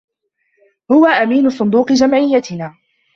هو أمين صندوق جمعيتنا.